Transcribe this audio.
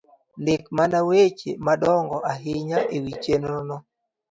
Ndik mana weche madongo ahinya e wi chenro no